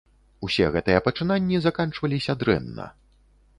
Усе гэтыя пачынанні заканчваліся дрэнна.